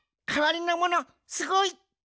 かわりのものすごい！